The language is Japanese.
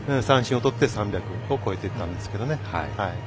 最後、三振をとって３００を超えていったんですけどね。